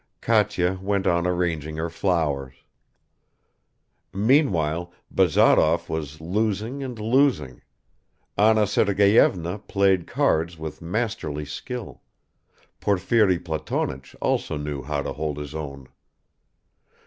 Katya went on arranging her flowers. Meanwhile Bazarov was losing and losing. Anna Sergeyevna played cards with masterly skill; Porfiri Platonich also knew how to hold his own.